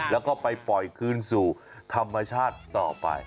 แล้วก็ไปปล่อยคืนสู่ธรรมชาติต่อไป